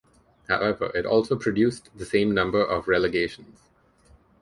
However, it also produced the same number of relegations.